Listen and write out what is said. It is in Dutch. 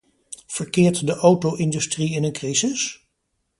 Verkeert de auto-industrie in een crisis?